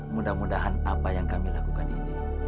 mudah mudahan apa yang kami lakukan ini